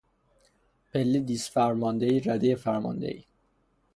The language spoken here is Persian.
پله دیس فرماندهی، ردهی فرماندهی